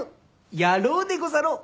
やろうでござろう。